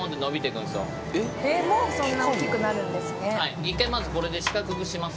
はい一回まずこれで四角くします。